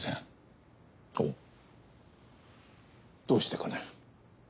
どうしてかね？